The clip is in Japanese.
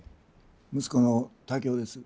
息子の武雄です。